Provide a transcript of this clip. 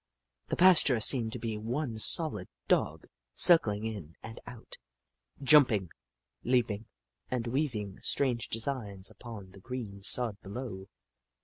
The pasture seemed to be one solid Dog, circling in and out, jumping, leap ing, and weaving strange designs upon the green sod below.